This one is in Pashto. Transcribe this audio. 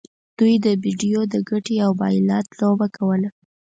دوی د بیډیو د ګټې او بایلات لوبه کوله.